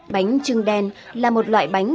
bánh trưng đen là một loại bánh